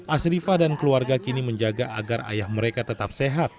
asrifah dan keluarga kini menjaga agar ayah mereka tetap sehat